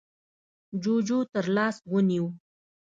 جُوجُو تر لاس ونيو: